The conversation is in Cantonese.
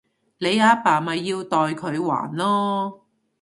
你阿爸咪要代佢還囉